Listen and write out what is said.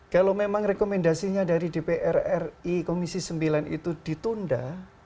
kalau memang rekomendasinya dari dpr ri komisi sembilan itu ditunda